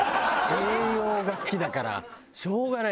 栄養が好きだからしょうがない。